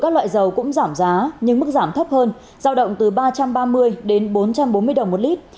các loại dầu cũng giảm giá nhưng mức giảm thấp hơn giao động từ ba trăm ba mươi đến bốn trăm bốn mươi đồng một lít